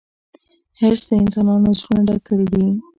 حرص د انسانانو زړونه ډک کړي دي.